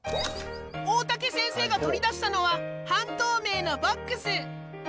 大竹先生が取り出したのは半透明のボックス。